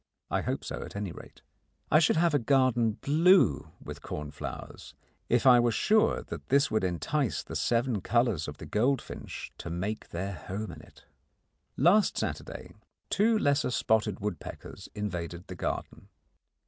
I hope so, at any rate. I should have a garden blue with cornflowers, if I were sure that this would entice the seven colours of the goldfinch to make their home in it. Last Saturday, two lesser spotted woodpeckers invaded the garden.